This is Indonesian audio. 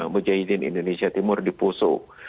mujahidin indonesia timur di poso